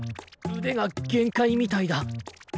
腕が限界みたいだ。